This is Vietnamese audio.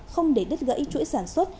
không để đứt gãy chuỗi sản xuất